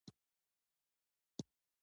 ستانه شوي کډوال